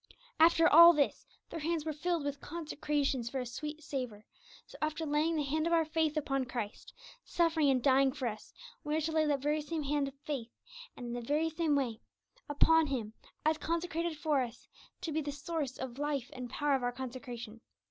After all this, their hands were filled with 'consecrations for a sweet savour,' so, after laying the hand of our faith upon Christ, suffering and dying for us, we are to lay that very same hand of faith, and in the very same way, upon Him as consecrated for us, to be the source and life and power of our consecration.